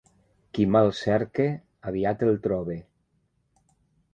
Qui mal cerca, aviat el troba.